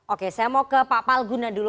oke saya mau ke pak palguna dulu